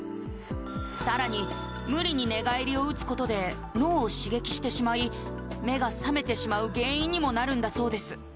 さらに無理に寝返りを打つことで脳を刺激してしまい目が覚めてしまう原因にもなるんだそうです